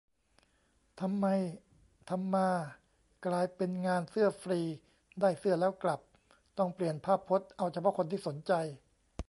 ทำไมทำมากลายเป็นงานเสื้อฟรี ได้เสื้อแล้วกลับ; ต้องเปลี่ยนภาพพจน์ เอาเฉพาะคนที่สนใจ